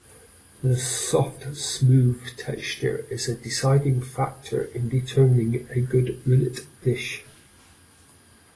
The soft, smooth texture is a deciding factor in determining a good rillette dish.